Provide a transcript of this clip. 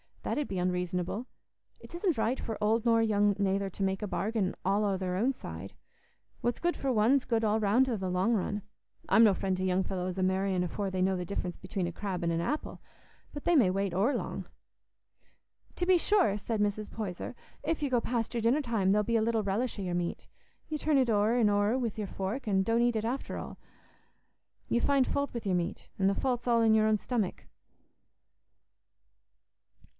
That 'ud be unreasonable. It isn't right for old nor young nayther to make a bargain all o' their own side. What's good for one's good all round i' the long run. I'm no friend to young fellows a marrying afore they know the difference atween a crab an' a apple; but they may wait o'er long." "To be sure," said Mrs. Poyser; "if you go past your dinner time, there'll be little relish o' your meat. You turn it o'er an' o'er wi' your fork, an' don't eat it after all. You find faut wi' your meat, an' the faut's all i' your own stomach."